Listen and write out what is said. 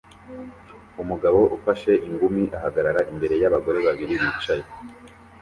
Umugabo ufashe ingumi ahagarara imbere y'abagore babiri bicaye